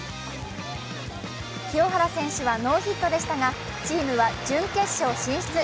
清原選手はノーヒットでしたがチームは準決勝進出。